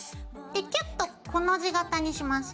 でキュッと「コの字型」にします。